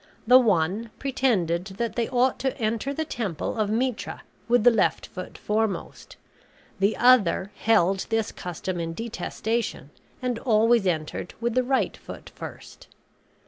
The one pretended that they ought to enter the temple of Mitra with the left foot foremost; the other held this custom in detestation and always entered with the right foot first.